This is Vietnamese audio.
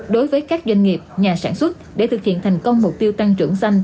đối với các doanh nghiệp nhà sản xuất để thực hiện thành công mục tiêu tăng trưởng xanh